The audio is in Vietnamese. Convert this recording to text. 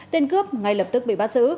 tên cướp ngay lập tức bị bắt giữ